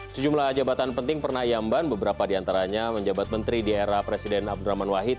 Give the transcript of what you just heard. sejumlah jabatan penting pernah iamban beberapa diantaranya menjabat menteri di era presiden abdurrahman wahid